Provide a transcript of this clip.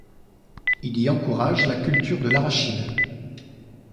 Il y encourage la culture de l'arachide.